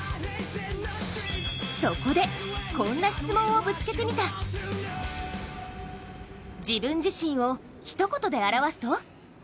そこで、こんな質問をぶつけてみた自分自身をひと言で表すと？